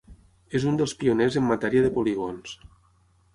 És un dels pioners en matèria de polígons.